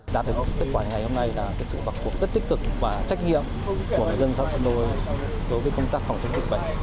đạt được kết quả ngày hôm nay là sự vặc cuộc rất tích cực và trách nhiệm của dân xã sơn lôi đối với công tác phòng chống dịch bệnh